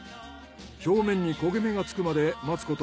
表面に焦げ目がつくまで待つこと